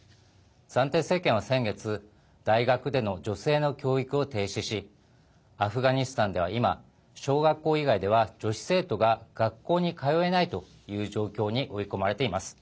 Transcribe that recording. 暫定政権は先月大学での女性の教育を停止しアフガニスタンでは今小学校以外では女子生徒が学校に通えないという状況に追い込まれています。